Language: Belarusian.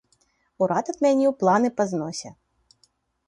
Урад адмяніў планы па зносе.